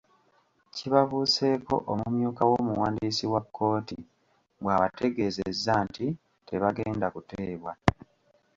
Kibabuuseeko omumyuka w’omuwandiisi wa kkooti bw’abategeezezza nti tebagenda kuteebwa.